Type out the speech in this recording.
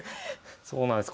そうなんです。